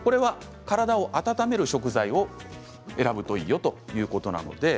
体を温める食材を選ぶといいよということです。